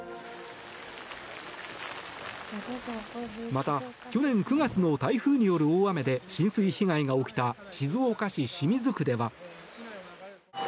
また去年９月の台風による大雨で浸水被害が起きた静岡市清水区では。